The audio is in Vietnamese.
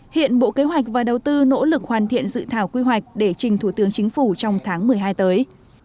hiện bộ kế hoạch và đầu tư nỗ lực hoàn thiện dự thảo quy hoạch để trình thủ tướng chính phủ trong tháng một mươi hai tới